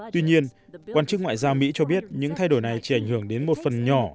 tuy nhiên quan chức ngoại giao mỹ cho biết những thay đổi này chỉ ảnh hưởng đến một phần nhỏ